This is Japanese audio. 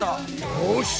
よし！